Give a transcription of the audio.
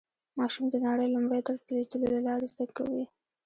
ماشوم د نړۍ لومړی درس د لیدلو له لارې زده کوي